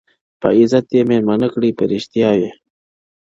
په عزت یې مېلمه کړی په ریشتیا یې-